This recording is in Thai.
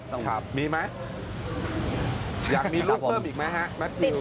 มีไหมอยากมีรูปเพิ่มอีกไหมฮะติดใจไหมครับ